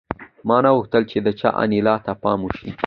ما نه غوښتل چې د چا انیلا ته پام شي